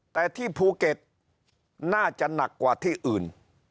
แต่ที่ภูเก็ตน่าจะหนักกว่าที่อื่น